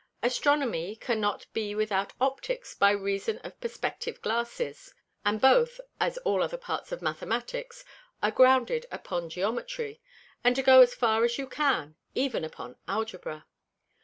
Astronomy cannot be without Opticks by reason of Perspective Glasses; and both, as all other Parts of Mathematicks, are grounded upon Geometry, and to go as far as you can, even upon Algebra.